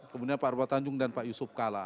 kemudian pak arwa tanjung dan pak yusuf kala